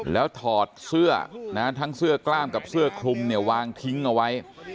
แล้วถอดเสื้อทั้งเสื้อกล้ามกับเสื้อคลุมเนี่ยวางทิ้งเอาไว้